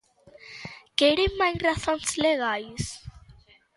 ¿Queren máis razóns legais?